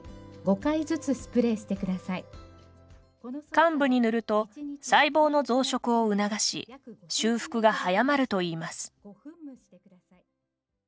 患部に塗ると細胞の増殖を促し修復が早まるといいます。